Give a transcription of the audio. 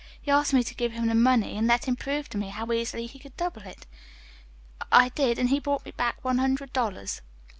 He asked me to give him the money and let him prove to me how easily he could double it. I did, and he brought me back one hundred dollars.